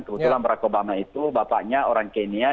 kebetulan barack obama itu bapaknya orang kenia